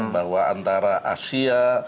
bahwa antara asia